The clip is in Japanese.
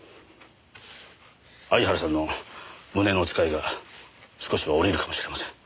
相原さんの胸のつかえが少しは下りるかもしれません。